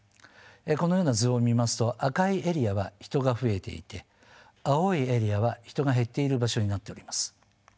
このような図を見ますと赤いエリアは人が増えていて青いエリアは人が減っている場所になっております。